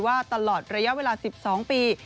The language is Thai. ว่าตลอดระยะเวลา๑๒ปี